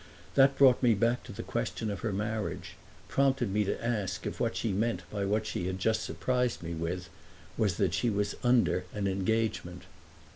That brought me back to the question of her marriage, prompted me to ask if what she meant by what she had just surprised me with was that she was under an engagement.